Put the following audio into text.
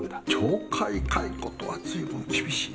懲戒解雇とは随分厳しいですな。